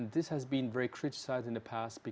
dan hal ini telah terkritisasi di masa lalu